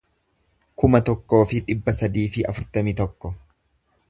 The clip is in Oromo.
kuma tokkoo fi dhibba sadii fi afurtamii tokko